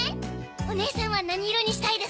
おねえさんは何色にしたいですか？